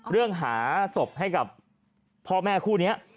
เรื่องหาศพให้กับพ่อแม่คู่นี้